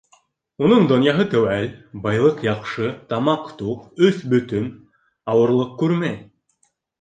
Уның донъяһы теүәл: байлыҡ яҡшы, тамаҡ туҡ, өҫ бөтөн, ауырлыҡ күрмәй.